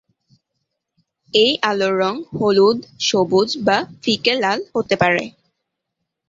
এই আলোর রং হলুদ, সবুজ বা ফিকে লাল হতে পারে।